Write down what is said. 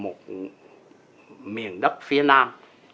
một miền đất phía nam